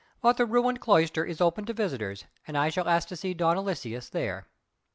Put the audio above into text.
But the ruined cloister is open to visitors and I shall ask to see Don Aloysius there."